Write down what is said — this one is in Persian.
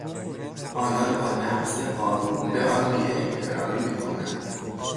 آنان با نقض قانون به آن بیاحترامی میکنند.